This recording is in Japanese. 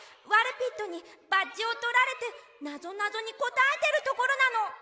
ワルピットにバッジをとられてなぞなぞにこたえてるところなの。